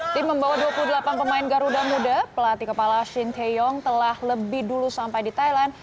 tim membawa dua puluh delapan pemain garuda muda pelatih kepala shin taeyong telah lebih dulu sampai di thailand